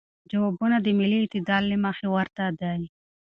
جوابونه د ملی اعتدال له مخې ورته دی.